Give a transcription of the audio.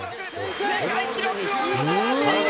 世界記録を上回っている。